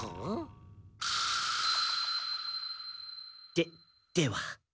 ででは。